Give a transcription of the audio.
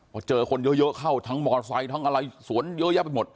พอเจอคนเยอะเข้าทั้งมอไซค์ทั้งอะไรสวนเยอะแยะไปหมด